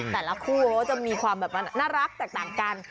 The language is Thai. แต่ละคู่เขาจะมีความแบบน่ารักแตกต่างกัน